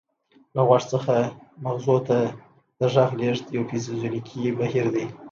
له غوږ څخه مغزو ته د غږ لیږد یو فزیولوژیکي بهیر دی